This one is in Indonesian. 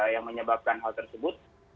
yang menyebabkan hal tersebut